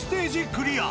クリア